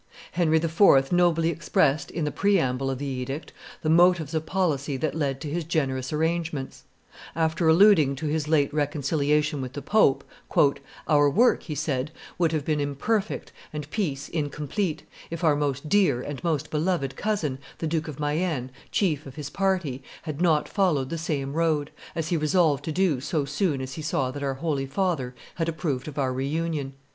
Henry IV. nobly expressed, in the preamble of the edict, the motives of policy that led to his generous arrangements; after alluding to his late reconciliation with the pope, "Our work," he said, "would have been imperfect, and peace incomplete, if our most dear and most beloved cousin, the Duke of Mayenne, chief of his party, had not followed the same road, as he resolved to do so soon as he saw that our holy father had approved of our reunion.